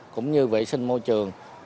cũng như vệ sinh môi trường